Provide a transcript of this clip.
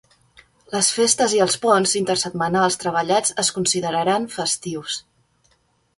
Les festes i els ponts intersetmanals treballats es consideraran festius.